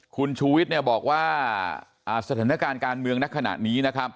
คุณชูวิทย์เนี่ยบอกว่าสถานการณ์การเมืองในขณะนี้นะครับ